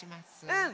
うん！